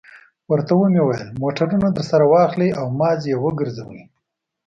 ورته مې وویل: موټرونه درسره واخلئ او مازې یې وګرځوئ.